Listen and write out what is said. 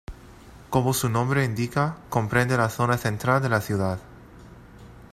Como su nombre indica, comprende la zona central de la ciudad.